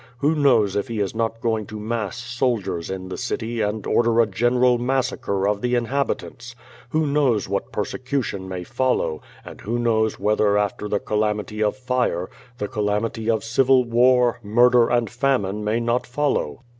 Who knows if he is not going to mass soldiers in the city and order a general massacre of the inhabitants; who knows what persecution may follow, and who knows whether after the calamity of fire, the calamity of civil war, murder and famine may not follow?